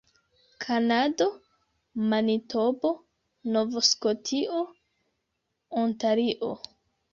Kanado: Manitobo, Nov-Skotio, Ontario.